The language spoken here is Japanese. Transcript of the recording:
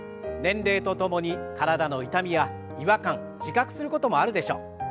年齢とともに体の痛みや違和感自覚することもあるでしょう。